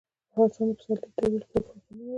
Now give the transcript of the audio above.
افغانستان د پسرلی د ترویج لپاره پروګرامونه لري.